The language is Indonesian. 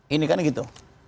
ini kan gitu